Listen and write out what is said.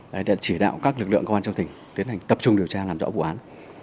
đấy đã chỉ đạo các lực lượng công an trong tỉnh tiến hành tập trung điều tra làm rõ vụ án